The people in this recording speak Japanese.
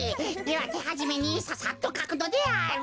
ではてはじめにささっとかくのである。